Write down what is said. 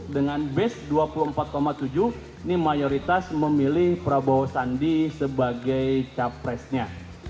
dengan base dua puluh empat tujuh ini mayoritas memilih prabowo sandi sebagai capresnya